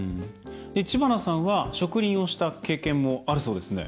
知花さんは植林をした経験もあるそうですね。